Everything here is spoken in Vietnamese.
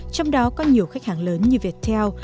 trong đó có nhiều khách hàng lớn như viettel